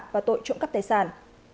và tội trộm cắp tài sản